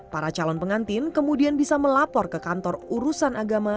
para calon pengantin kemudian bisa melapor ke kantor urusan agama